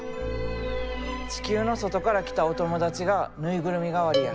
地球の外から来たお友達が縫いぐるみ代わりや。